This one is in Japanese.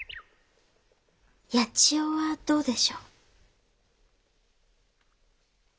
八千代はどうでしょう？